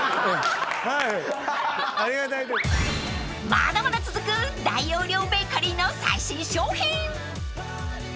［まだまだ続く大容量ベーカリーの最新商品］